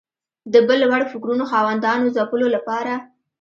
د بل وړ فکرونو خاوندانو ځپلو لپاره